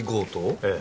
ええ。